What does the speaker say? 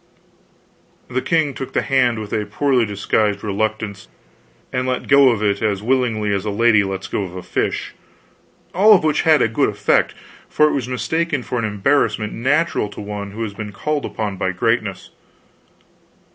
The king took the hand with a poorly disguised reluctance, and let go of it as willingly as a lady lets go of a fish; all of which had a good effect, for it was mistaken for an embarrassment natural to one who was being called upon by greatness.